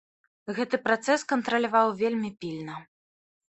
Гэты працэс кантраляваў вельмі пільна.